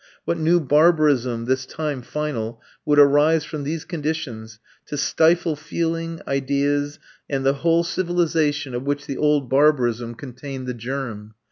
What new barbarism, this time final, would arise from these conditions to stifle feeling, ideas, and the whole civilization of which the old barbarism contained the germ?